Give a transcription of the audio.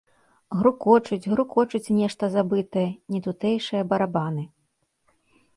Грукочуць, грукочуць нешта забытае, нетутэйшае барабаны.